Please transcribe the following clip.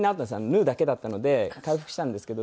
縫うだけだったので回復したんですけど。